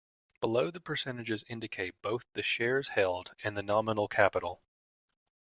Below, the percentages indicate both the shares held and the nominal capital.